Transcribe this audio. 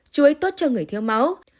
chúi tốt cho người thiếu máu